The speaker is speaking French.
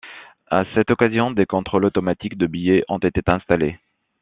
À cette occasion, des contrôles automatiques de billets ont été installés.